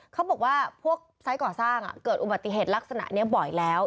เขาบอกว่าพวกไซส์ก่อสร้างเกิดอุบัติเหตุลักษณะนี้บ่อยแล้ว